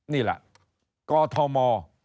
นี่แหละกอทม